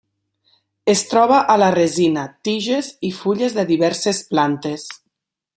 Es troba a la resina, tiges i fulles de diverses plantes.